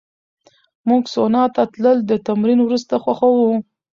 موږ سونا ته تلل د تمرین وروسته خوښوو.